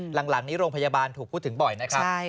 หลังนี้โรงพยาบาลถูกพูดถึงบ่อยนะครับ